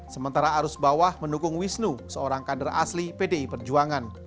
sementara arus bawah mendukung wisnu seorang kader asli pdi perjuangan